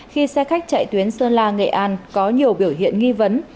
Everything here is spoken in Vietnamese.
khi xe khách chạy tuyến sơn la nghệ an có nhiều biểu hiện nghi vấn